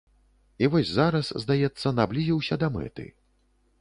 І вось зараз, здаецца, наблізіўся да мэты.